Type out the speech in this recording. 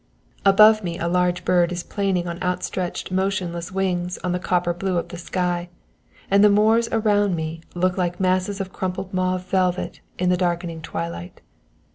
Above me a large bird is planing on outstretched motionless wings in the copper blue of the sky, and the moors around me look like masses of crumpled mauve velvet in the darkening twilight.